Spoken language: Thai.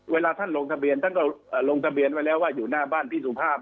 เวลาท่านลงทะเบียนท่านก็ลงทะเบียนไว้แล้วว่าอยู่หน้าบ้านพี่สุภาพ